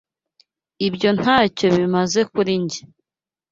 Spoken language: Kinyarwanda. Ibyo ntacyo bimaze kuri njye.